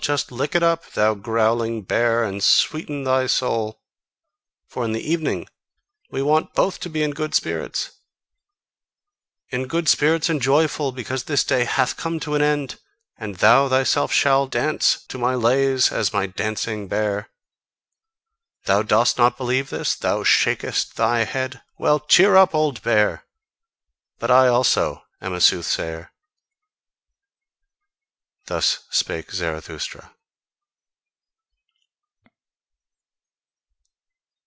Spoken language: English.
just lick it up, thou growling bear, and sweeten thy soul! For in the evening we want both to be in good spirits; In good spirits and joyful, because this day hath come to an end! And thou thyself shalt dance to my lays, as my dancing bear. Thou dost not believe this? Thou shakest thy head? Well! Cheer up, old bear! But I also am a soothsayer." Thus spake Zarathustra.